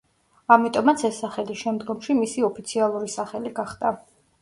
ამიტომაც ეს სახელი შემდგომში მისი ოფიციალური სახელი გახდა.